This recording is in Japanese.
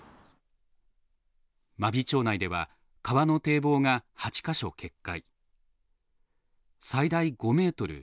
真備町内では川の堤防が８か所決壊。